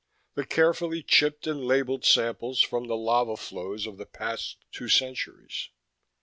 The carefully chipped and labeled samples from the lava flows of the past two centuries.